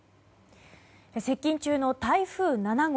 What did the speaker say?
接近中の台風７号